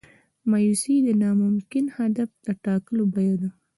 مایوسي د ناممکن هدف د ټاکلو بیه ده.